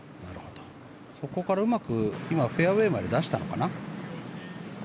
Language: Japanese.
そこからうまく今、フェアウェーまで出したのかな。